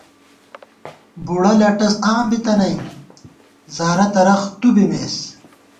بُڑہ لَٹہ آں بِتَنَئیم ، زارہ ترَخ تُو بِمېس